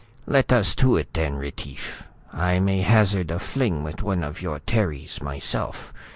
"Let us to it then, Retief. I may hazard a fling with one of your Terries, myself.